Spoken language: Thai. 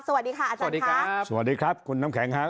สวัสดีค่ะอาจารย์สวัสดีครับสวัสดีครับคุณน้ำแข็งครับ